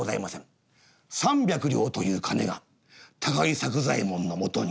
三百両という金が高木作左衛門のもとに。